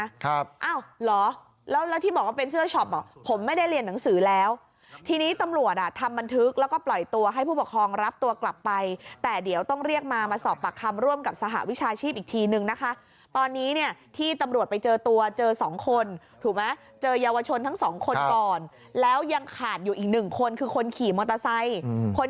ครับอ้าวเหรอแล้วแล้วที่บอกว่าเป็นเสื้อช็อปบอกผมไม่ได้เรียนหนังสือแล้วทีนี้ตำรวจอ่ะทำบันทึกแล้วก็ปล่อยตัวให้ผู้ปกครองรับตัวกลับไปแต่เดี๋ยวต้องเรียกมามาสอบปากคำร่วมกับสหวิชาชีพอีกทีนึงนะคะตอนนี้เนี่ยที่ตำรวจไปเจอตัวเจอสองคนถูกไหมเจอเยาวชนทั้งสองคนก่อนแล้วยังขาดอยู่อีกหนึ่งคนคือคนขี่มอเตอร์ไซค์อืมคน